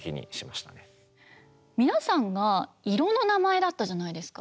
皆さんが色の名前だったじゃないですか。